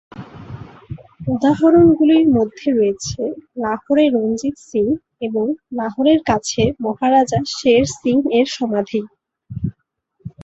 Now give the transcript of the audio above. উদাহরণগুলির মধ্যে রয়েছে লাহোরে রঞ্জিত সিং এবং লাহোরের কাছে মহারাজা শের সিং-এর সমাধি।